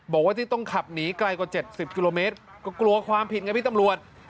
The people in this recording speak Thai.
บอกว่าที่ต้องขับหนีไกลกว่า๗๐กิโลเมตรก็กลัวความผิดไงพี่ตำรวจ